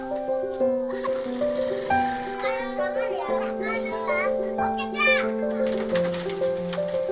kalau lama dia kan kita